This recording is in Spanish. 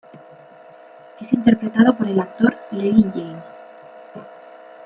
Es interpretado por el actor Lennie James.